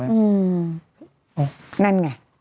อืมนั่นไง